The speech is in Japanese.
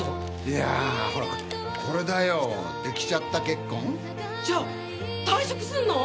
いやほらっこれだよできちゃった結婚じゃ退職すんの？